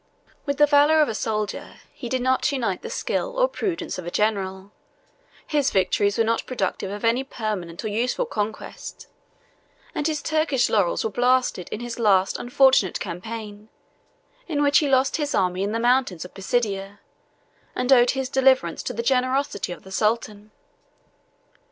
With the valor of a soldier, he did not unite the skill or prudence of a general; his victories were not productive of any permanent or useful conquest; and his Turkish laurels were blasted in his last unfortunate campaign, in which he lost his army in the mountains of Pisidia, and owed his deliverance to the generosity of the sultan.